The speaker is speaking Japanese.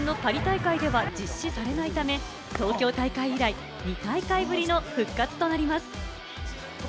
来年のパリ大会では実施されないため、東京大会以来２大会ぶりの復活となります。